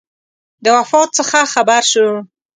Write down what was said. د وفات څخه خبر شو.